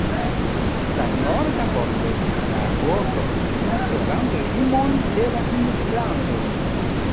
La norda bordo de la lago proksimas la landlimon de Finnlando.